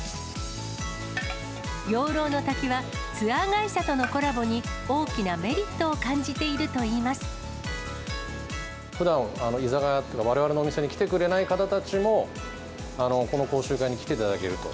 養老乃瀧は、ツアー会社とのコラボに大きなメリットを感じているふだん、居酒屋、われわれの店に来てくれない方たちも、この講習会に来ていただけると。